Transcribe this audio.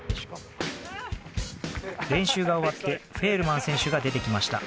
練習が終わってフェールマン選手が出てきました。